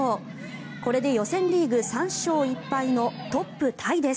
これで予選リーグ３勝１敗のトップタイです。